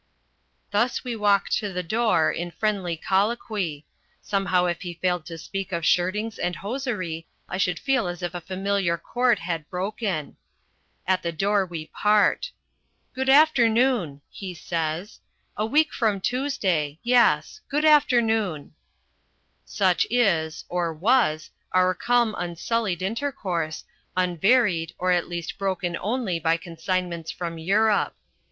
Thus we walk to the door, in friendly colloquy. Somehow if he failed to speak of shirtings and hosiery, I should feel as if a familiar cord had broken; At the door we part. "Good afternoon," he says. "A week from Tuesday yes good afternoon." Such is or was our calm unsullied intercourse, unvaried or at least broken only by consignments from Europe.